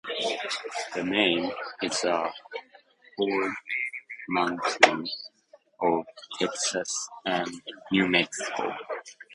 The name is a portmanteau of "Texas" and "New Mexico".